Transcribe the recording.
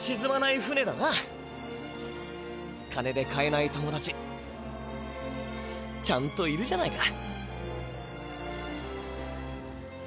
金で買えない友だちちゃんといるじゃないか。